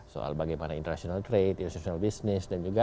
soal bagaimana international trade international business dan juga